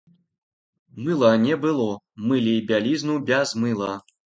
Мыла не было, мылі бялізну без мыла.